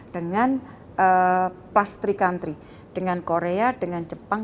dengan tiga negara dengan korea dengan jepang dengan jepang